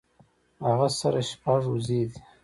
هغۀ سره شپږ وزې دي